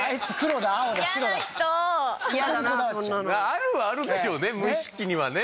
あるはあるでしょうね